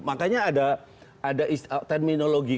makanya ada terminologi